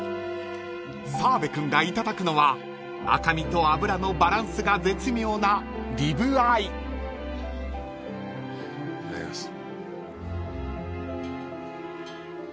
［澤部君がいただくのは赤身と脂のバランスが絶妙なリブアイ］いただきます。